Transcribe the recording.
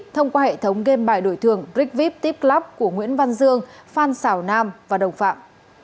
thông qua hệ thống game bài đổi thường rigvip tipclub của nguyễn văn dương phan xảo nam và đồng phạm